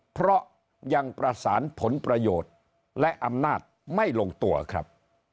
เพราะยังประสานผลประโยชน์และอำนาจไม่ลงตัวครับ